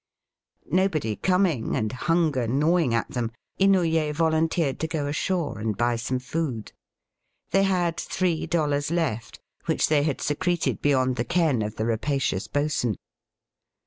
Nobody coming, and hunger gnawing at them, Inouye volunteered to go ashore and buy some food. They had three dollars left, which they had secreted beyond the ken of the rapacious bo'sun.